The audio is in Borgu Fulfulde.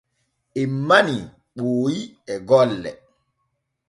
En manii Ɓooyi e gollo.